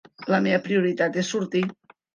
La meva prioritat és sortir.